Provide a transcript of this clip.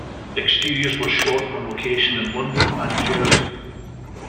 Exteriors were shot on location in London and Jersey.